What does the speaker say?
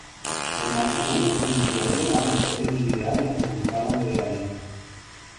El matrimonio coincidió plenamente en su ideal republicano federalista.